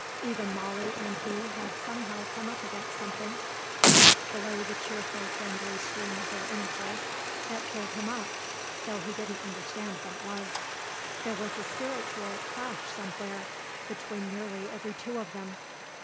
Even Molly and he had somehow come up against something, a rock below the cheerful, friendly stream of their intercourse, that pulled him up, though he didn't understand what it was. There was a spiritual clash somewhere, between nearly every two of them.